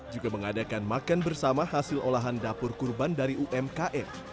juga mengadakan makan bersama hasil olahan dapur kurban dari umkm